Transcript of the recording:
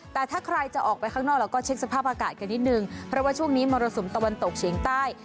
แต่ถ้าใครจะออกไปข้างนอกเราก็เช็คสภาพอากาศกันนิดนึงเพราะว่าช่วงนี้มรสุมตะวันตกเฉียงใต้